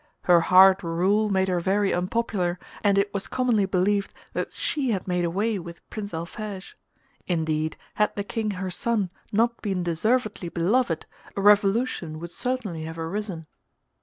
Her hard rule made her very unpopular, and it was commonly believed that she had made away with Prince Alphege. Indeed, had the King her son not been deservedly beloved a revolution would certainly have arisen.